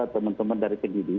teman teman dari segi ini